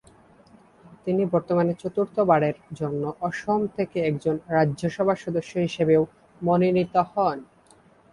তিনি বর্তমানে চতুর্থ বারের জন্য অসম থেকে একজন রাজ্য সভা সদস্য হিসাবেও মনোনীত হন।